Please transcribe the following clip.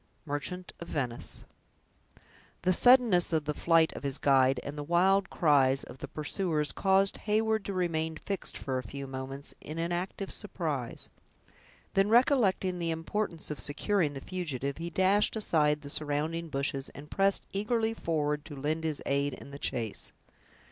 —Merchant of Venice The suddenness of the flight of his guide, and the wild cries of the pursuers, caused Heyward to remain fixed, for a few moments, in inactive surprise. Then recollecting the importance of securing the fugitive, he dashed aside the surrounding bushes, and pressed eagerly forward to lend his aid in the chase.